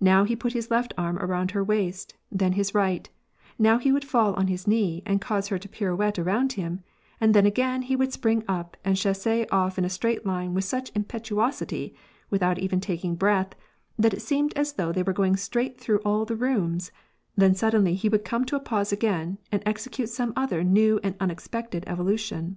Now he put his left arm around her waist, then his right; now he would fall on his knee, and cause her to pirouette around him, and then, again, he would spring up and chassee off in a straight line with such impetuosity, without even tak ing breath, that it seemed as though they were going straight through all the rooms ; then suddenly he would come to a pause again, and execute some other new and unexpected evo lution.